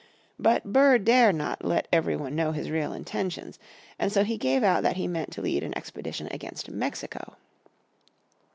But Burr dare not let every one know his real intentions, and so he gave out that he meant to lead an expedition against Mexico.